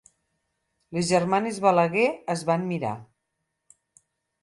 Les germanes Balaguer es van mirar.